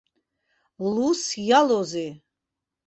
Лусс иалоузеи!